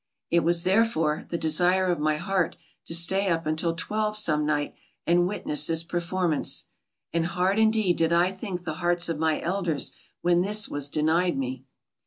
It was, therefore, the desire of my heart to stay up until twelve some night and witness this performance, and hard indeed did I think the hearts of my elders when this was denied me.